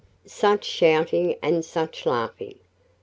Such shouting and such laughing!